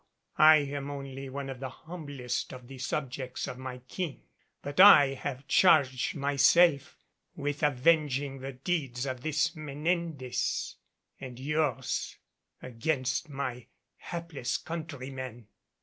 I am only one of the humblest of the subjects of my King, but I have charged myself with avenging the deeds of this Menendez and yours against my hapless countrymen.